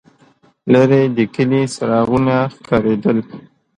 لرې د کلي څراغونه ښکارېدل.